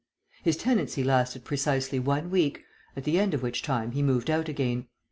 His tenancy lasted precisely one week, at the end of which time he moved out again.